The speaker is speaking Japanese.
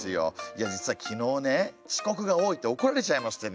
いや実は昨日ね遅刻が多いって怒られちゃいましてね。